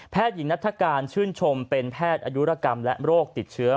หญิงนัฐการชื่นชมเป็นแพทย์อายุรกรรมและโรคติดเชื้อ